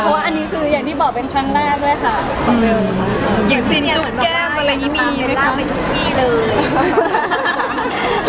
อย่างตอนแฮมที่มาอยากลาไปทุกที่เลย